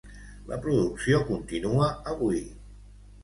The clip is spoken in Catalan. La producció continua avui.